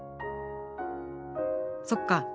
そっか。